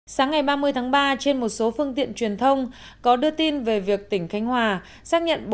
sáng ngày ba mươi tháng ba trên một số phương tiện truyền thông có đưa tin về việc tỉnh khánh hòa xác nhận